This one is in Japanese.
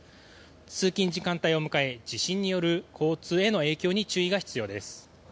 通勤時間帯を迎え地震による交通への影響に注意が必要です。